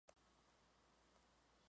Conoció en París al pintor Diego Rivera.